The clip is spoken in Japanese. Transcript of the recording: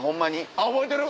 あっ覚えてる？